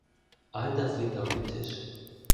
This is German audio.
All das liegt auf dem Tisch.